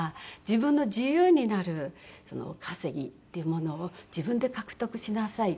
自分の自由になる稼ぎっていうものを自分で獲得しなさい。